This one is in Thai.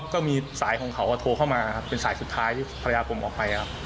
ก็มีสายของเขาโทรเข้ามาครับเป็นสายสุดท้ายที่ภรรยาผมออกไปครับ